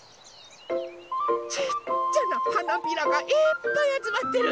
ちっちゃなはなびらがいっぱいあつまってる。